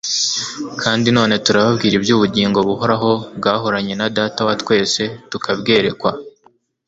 Kandi none turababwira iby'ubugingo buhoraho bwahoranye na Data wa twese tukabwerekwa."